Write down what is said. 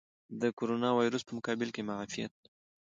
د کوروناویرس په مقابل کې معافیت.